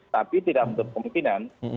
tapi tidak untuk kemungkinan